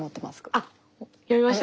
あっ読みました？